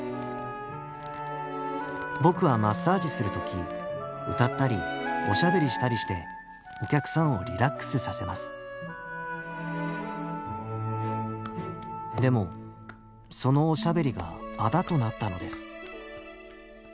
僕はマッサージする時歌ったりおしゃべりしたりしてお客さんをリラックスさせますでもそのおしゃべりがあだとなったのです